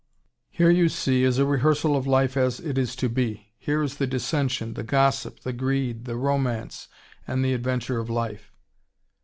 Here, you see, is a rehearsal of life as it is to be. Here is the dissension, the gossip, the greed, the romance, and the adventure of life.